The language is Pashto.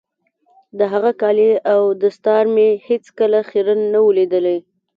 د هغه کالي او دستار مې هېڅ کله خيرن نه وو ليدلي.